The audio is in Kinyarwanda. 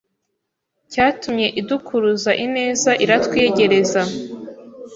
cyatumye idukuruza ineza iratwiyegereza